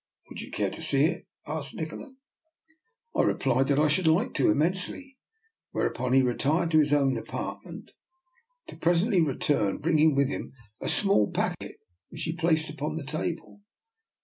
"" Would you care to see it? " asked Nikola. I replied that I should like to immensely, whereupon he retired to his own apartment to presently return bringing with him a small packet, which he placed upon the table.